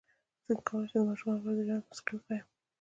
څنګه کولی شم د ماشومانو لپاره د جنت موسيقي وښایم